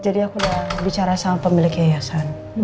jadi aku udah bicara sama pemilik keayasan